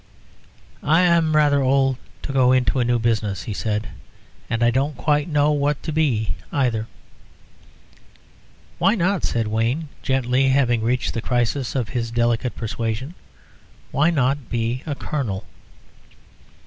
"I am rather old to go into a new business," he said, "and I don't quite know what to be, either." "Why not," said Wayne, gently having reached the crisis of his delicate persuasion "why not be a colonel?"